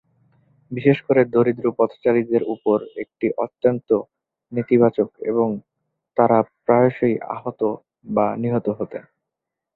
বিশেষ করে দরিদ্র পথচারীদের উপর এটি অত্যন্ত নেতিবাচক এবং তারা প্রায়শই আহত বা নিহত হন।